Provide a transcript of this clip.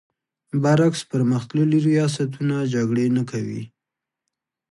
برعکس پر مختللي ریاستونه جګړې نه کوي.